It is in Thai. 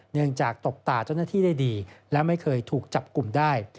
จากตบตาเจ้าหน้าที่ได้ดีและไม่เคยถูกจับกลุ่มได้